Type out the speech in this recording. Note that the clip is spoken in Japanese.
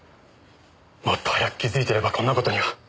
もっと早く気づいていればこんな事には！